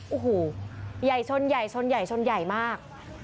โอ้โหใหญ่ชนชนชนใหญ่มาก